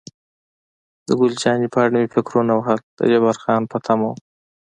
د ګل جانې په اړه مې فکرونه وهل، د جبار خان په تمه وم.